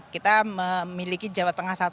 kita memiliki jawa tengah satu